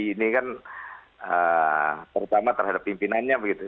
ini kan terutama terhadap pimpinannya begitu